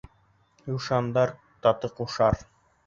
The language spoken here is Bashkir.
Юшандар таты ҡушар.